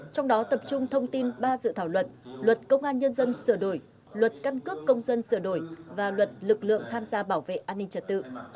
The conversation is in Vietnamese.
trong đó tập trung thông tin ba dự thảo luật luật công an nhân dân sửa đổi luật căn cước công dân sửa đổi và luật lực lượng tham gia bảo vệ an ninh trật tự